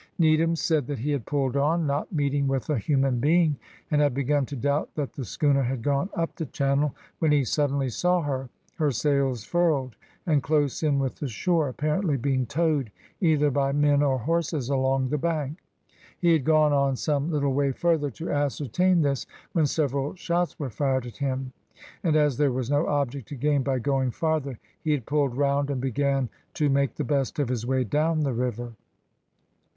Needham said that he had pulled on, not meeting with a human being, and had begun to doubt that the schooner had gone up the channel, when he suddenly saw her, her sails furled, and close in with the shore, apparently being towed, either by men or horses, along the bank. He had gone on some little way further to ascertain this, when several shots were fired at him, and as there was no object to gain by going farther, he had pulled round and began to make the best of his way down the river.